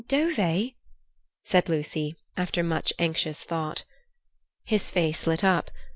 "Dove?" said Lucy, after much anxious thought. His face lit up.